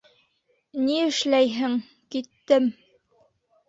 Ни эшләйһең, киттем.